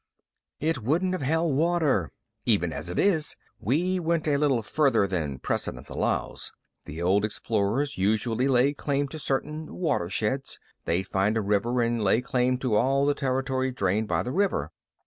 "It wouldn't have held water. Even as it is, we went a little further than precedent allows. The old explorers usually laid claim to certain watersheds. They'd find a river and lay claim to all the territory drained by the river.